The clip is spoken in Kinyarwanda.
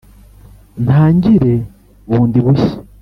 ntangire bundi bushya